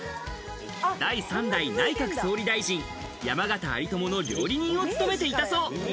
第３代内閣総理大臣・山縣有朋の料理人を務めていたそう。